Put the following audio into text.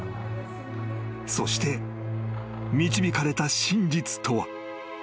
［そして導かれた真実とは］